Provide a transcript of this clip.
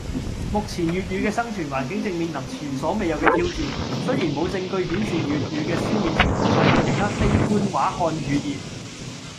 目前粵語嘅生存環境正面臨前所未有嘅挑戰，雖然冇證據顯示粵語嘅消滅程度快過其他非官話漢語言